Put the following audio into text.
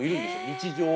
日常。